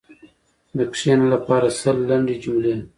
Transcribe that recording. د “کښېنه” لپاره سل لنډې جملې: